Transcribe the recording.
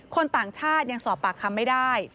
ต่างชาติยังสอบปากคำไม่ได้